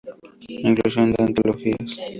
Inclusión en Antologías